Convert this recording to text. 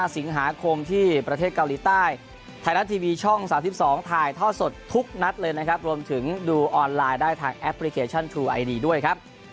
๒เซตแรกเนี่ยก็๐๔ครับ